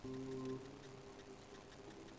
কথা বলার মেজাজে থাকলে সে তার গুন্ডাদের পাঠাত না।